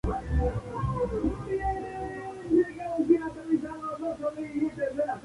Fue diseñado por el arquitecto peruano Bernardo Fort.